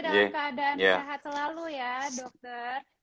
dalam keadaan sehat selalu ya dokter